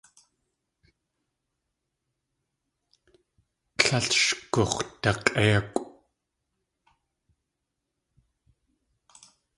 Tlél sh gux̲dak̲ʼéikʼw.